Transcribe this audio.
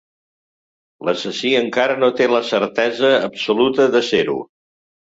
L'assassí encara no té la certesa absoluta de ser-ho.